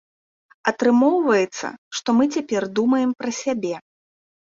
Атрымоўваецца, што мы цяпер думаем пра сябе.